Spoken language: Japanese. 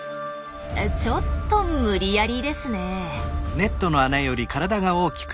ちょっと無理やりですねえ。